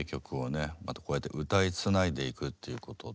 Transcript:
またこうやって歌いつないでいくっていうことで。